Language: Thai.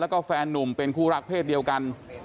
แล้วก็แฟนนุ่มเป็นคู่รักเพศเดียวกัน